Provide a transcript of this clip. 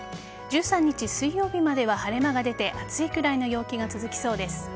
１３日水曜日までは晴れ間が出て暑いくらいの陽気が続きそうです。